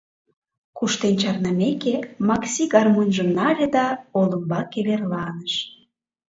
Куштен чарнымеке, Макси гармоньжым нале да олымбаке верланыш.